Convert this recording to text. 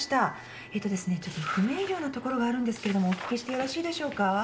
えーとですねちょっと不明瞭な所があるんですけれどもお聞きしてよろしいでしょうか？